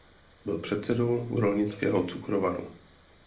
Byl předsedou rolnického cukrovaru.